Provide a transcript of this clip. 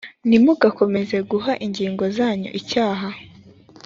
ntimugakomeze guha ingingo zanyu icyaha